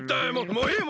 もういい！